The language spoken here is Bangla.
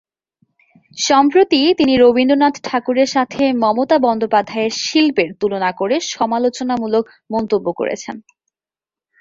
সম্প্রতি, তিনি রবীন্দ্রনাথ ঠাকুরের সাথে মমতা বন্দ্যোপাধ্যায় এর শিল্পের তুলনা করে সমালোচনামূলক মন্তব্য করেছেন।